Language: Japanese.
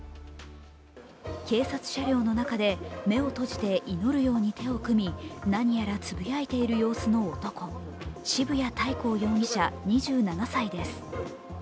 警察車両の中で目を閉じて祈るように手を組み何やらつぶやいている様子の男、渋谷大皇容疑者２７歳です。